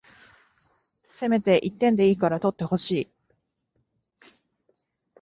せめて一点でいいから取ってほしい